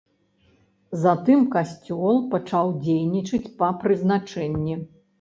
Затым касцёл пачаў дзейнічаць па прызначэнні.